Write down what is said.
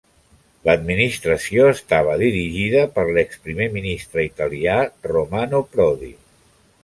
L'administració estava dirigida per l'ex primer ministre italià Romano Prodi.